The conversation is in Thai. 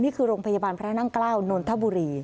นี่คือโรงพยาบาลพระนั่งเกล้านนทบุรี